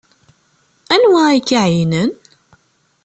Anwa ay ak-iɛeyynen?